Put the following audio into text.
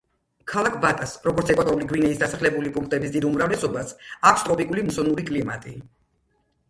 ქალაქ ბატას, როგორც ეკვატორული გვინეის დასახლებული პუნქტების დიდ უმრავლესობას, აქვს ტროპიკული მუსონური კლიმატი.